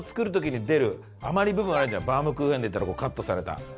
バウムクーヘンで言ったらカットされた。